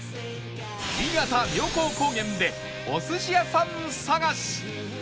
新潟妙高高原でお寿司屋さん探し